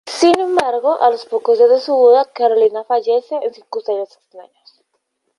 Sin embargo, a los pocos días de su boda, Carolina fallece en circunstancias extrañas.